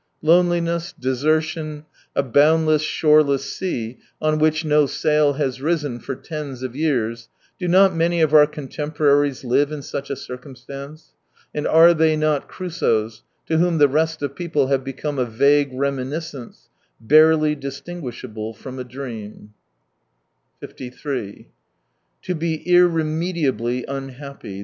69 Loneliness, desertion, a boundless, shoreless sea, on which no sail has risen for tens of years, — do not many of our contemporaries live in such a circumstance ? And are they not Crusoes, to whom the rest of people have become a vague reminiscence, barely dis tinguishable from a dream ?,...^.„_..